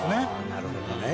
なるほどね。